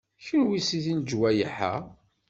Kenwi seg lejwayeh-a?